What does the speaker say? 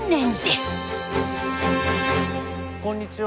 こんにちは。